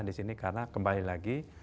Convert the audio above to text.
di sini karena kembali lagi